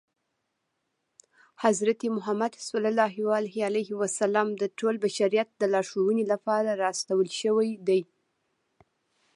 حضرت محمد ص د ټول بشریت د لارښودنې لپاره را استول شوی دی.